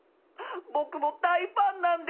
僕も大ファンなんです！